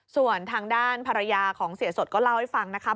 ส่วนทางด้านภรรยาของเสียสดก็เล่าให้ฟังนะคะ